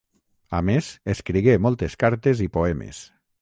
A més, escrigué moltes cartes i poemes.